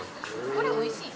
これおいしいん？